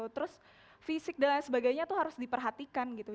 terus fisik dan lain sebagainya itu harus diperhatikan gitu